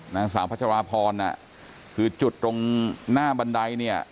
นางสาวพัชราพรน่ะคือจุดตรงหน้าบันไดเนี่ย